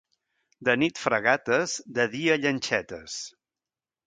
De nit fragates, de dia llanxetes.